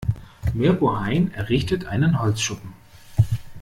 Mirko Hein errichtet einen Holzschuppen.